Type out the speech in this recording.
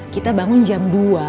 kita bangun jam dua